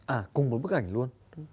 à cùng một bức ảnh luôn